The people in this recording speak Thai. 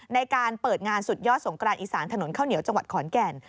ในการเปิดงานสุดยอดสงกรานอีสานถนนข้าวเหนียวจังหวัดขอนแก่น